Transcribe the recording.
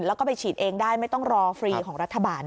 แล้วก็ไปฉีดเองได้ไม่ต้องรอฟรีของรัฐบาล